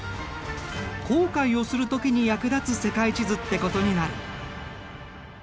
航海をする時に役立つ世界地図ってことになる。